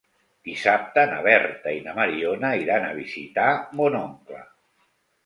Dissabte na Berta i na Mariona iran a visitar mon oncle.